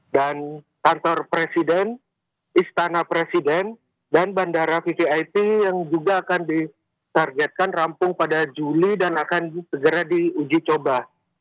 dan kantor presiden istana presiden dan bandara vkit yang juga akan disargetkan rampung pada juli dan akan segera diuji coba